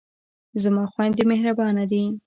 زما خویندې مهربانه دي.